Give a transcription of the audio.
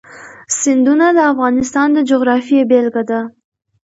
سیندونه د افغانستان د جغرافیې بېلګه ده.